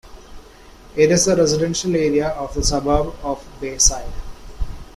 It is a residental area of the subarb of Bayside.